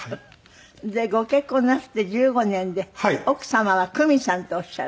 ご結婚なすって１５年で奥様は倉実さんとおっしゃる。